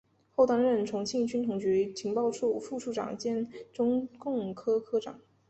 后担任重庆军统局情报处副处长兼中共科科长。